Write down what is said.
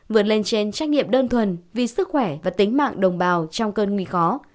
vượt lên trên trách nhiệm đơn thuần vì sức khỏe và tính mạng đồng bào trong cơn nguy khó